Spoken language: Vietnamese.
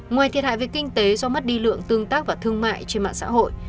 ngoài thiệt hại về kinh tế do mất đi lượng tương tác và thương mại trên mạng xã hội